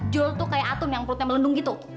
jual tuh kayak atun yang perutnya melendung gitu